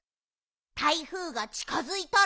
台風がちかづいたら。